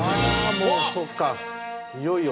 もうそうかいよいよ。